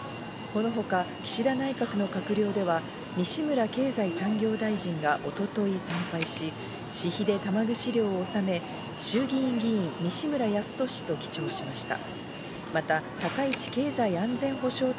このほか岸田内閣の閣僚では西村経済産業大臣が一昨日、参拝し私費で玉串料を納め、衆議院議員、西村康稔と記帳しました。